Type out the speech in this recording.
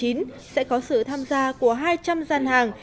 sẽ có sự tham gia của hai trăm linh gian hàng